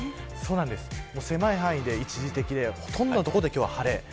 狭い範囲で一時的でほとんどの所で今日は晴れ。